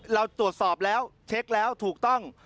เราตรวจสอบแล้วเช็คแล้วถูกต้อง